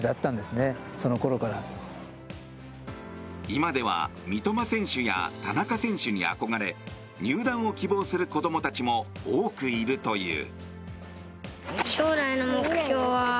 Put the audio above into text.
今では三笘選手や田中選手に憧れ入団を希望する子供たちも多くいるという。